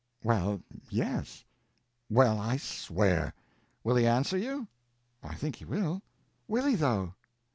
"Well—yes." "Well, I swear! Will he answer you?" "I think he will." "Will he though?